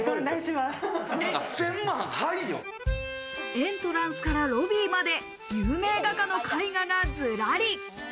エントランスからロビーまで有名画家の絵画がずらり。